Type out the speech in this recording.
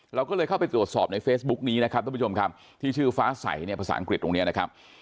เราก็เลยเข้าไปตรวจสอบในเฟซบุ๊กนี้นะครับทุกผู้ชมครับที่ชื่อฟ้าใสเนี่ยภาษาอังกฤษตรงนี้นะครับ